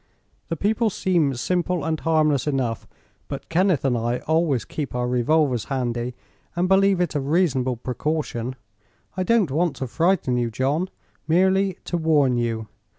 The people seem simple and harmless enough, but Kenneth and I always keep our revolvers handy, and believe it is a reasonable precaution. I don't want to frighten you, John; merely to warn you.